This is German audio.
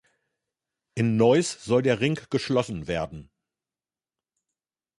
In Neuss sollte der Ring geschlossen werden.